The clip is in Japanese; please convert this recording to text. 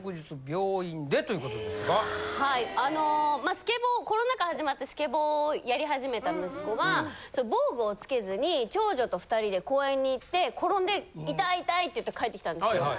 あのスケボーコロナ禍始まってスケボーやり始めた息子が防具をつけずに長女と２人で公園に行って転んで「痛い痛い」って言って帰ってきたんですよ。